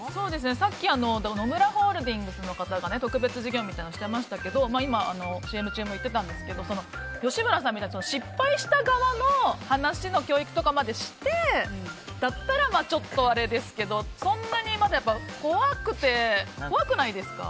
さっき野村ホールディングスの方がね特別授業みたいなのをしていましたが今、ＣＭ中も言ってたんですけど吉村さんみたいに失敗した側の話の教育とかまでしてだったらちょっとあれですけど怖くないですか？